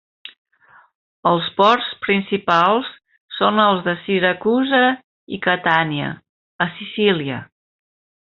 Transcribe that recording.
Els ports principals són els de Siracusa i Catània, a Sicília.